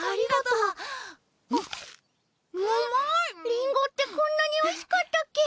リンゴってこんなにおいしかったっけ？